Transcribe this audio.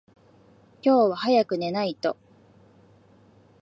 今日は早く寝ないと。